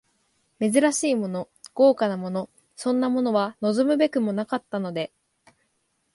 珍しいもの、豪華なもの、そんなものは望むべくもなかったので、